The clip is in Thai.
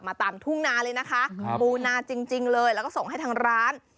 ตามทุ่งนาเลยนะคะปูนาจริงเลยแล้วก็ส่งให้ทางร้าน